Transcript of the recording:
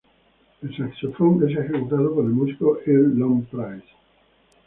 El saxofón es ejecutado por el músico Earl Lon Price.